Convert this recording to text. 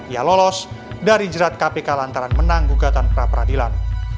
ia lolos dari jerat kpk lantaran menang gugatan pra peradilan